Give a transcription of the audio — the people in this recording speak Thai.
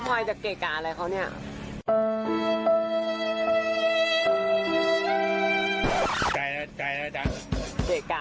แล้ววันนี้ต้องกินข้าวกินข้าวกันกลางนาเลยนะคะ